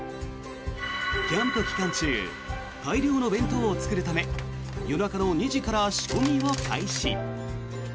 キャンプ期間中大量の弁当を作るため夜中の２時から仕込みを開始。